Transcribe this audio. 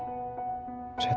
tapi yang saya rasakan sekarang